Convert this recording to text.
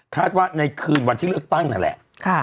ว่าในคืนวันที่เลือกตั้งนั่นแหละ